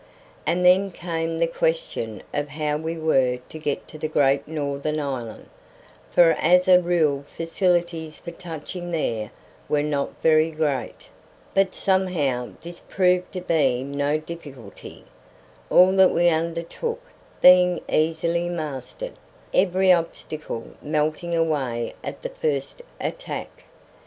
And then came the question of how we were to get to the great northern island, for as a rule facilities for touching there were not very great; but somehow this proved to be no difficulty, all that we undertook being easily mastered, every obstacle melting away at the first attack.